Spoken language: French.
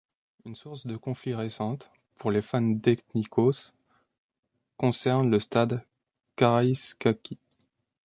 Une source de conflits récente pour les fans d'Ethnikos concerne le stade Karaiskaki.